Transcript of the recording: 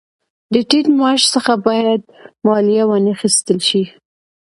د ټیټ معاش څخه باید مالیه وانخیستل شي